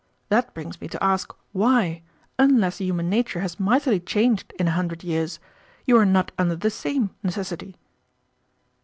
That brings me to ask why, unless human nature has mightily changed in a hundred years, you are not under the same necessity."